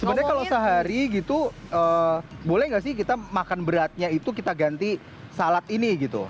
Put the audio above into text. sebenarnya kalau sehari gitu boleh nggak sih kita makan beratnya itu kita ganti salad ini gitu